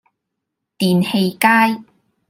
電氣街